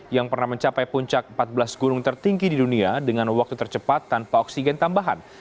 yang pernah mencapai puncak empat belas gunung tertinggi di dunia dengan waktu tercepat tanpa oksigen tambahan